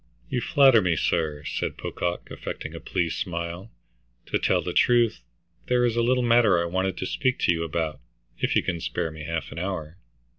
"You flatter me, sir," said Pocock, affecting a pleased smile. "To tell the truth, there is a little matter I wanted to speak to you about, if you can spare me half an hour.".